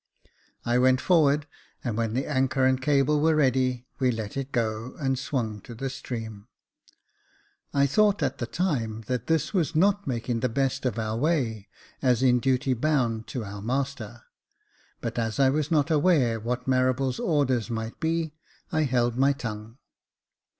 I went forward, and when the anchor and cable were ready, we let it go, and swung to the stream. I thought, at the time, that this was not making the best of our way, as in duty bound to our master ; but as I was not aware what Marables' orders might be, I held my tongue.